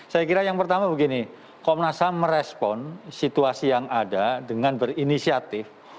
saya kira yang pertama begini komnas ham merespon situasi yang ada dengan berinisiatif